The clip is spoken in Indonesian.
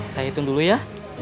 saya hitung dulu ya